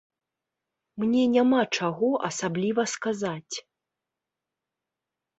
Мне няма чаго асабліва сказаць.